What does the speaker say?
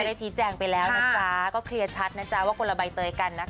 ได้ชี้แจงไปแล้วนะจ๊ะก็เคลียร์ชัดนะจ๊ะว่าคนละใบเตยกันนะคะ